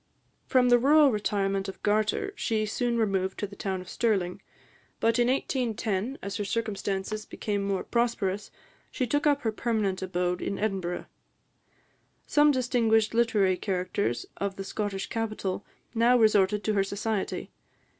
From the rural retirement of Gartur, she soon removed to the town of Stirling; but in 1810, as her circumstances became more prosperous, she took up her permanent abode in Edinburgh. Some distinguished literary characters of the Scottish capital now resorted to her society.